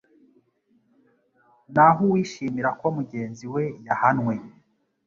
naho uwishimira ko mugenzi we yahanwe